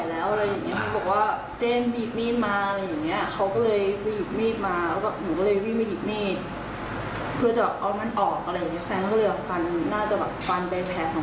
แล้วยังยังว่าเจมส์พอเลยเพราะว่าหมาหนูหนูก็รักใช่ไหมค่ะ